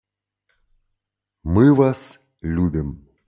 Мы Вас любим.